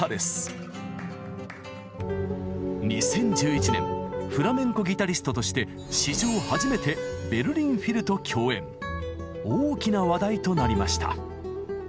２０１１年フラメンコギタリストとして史上初めて大きな話題となりました。